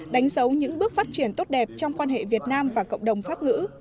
đánh dấu những bước phát triển tốt đẹp trong quan hệ việt nam và cộng đồng pháp ngữ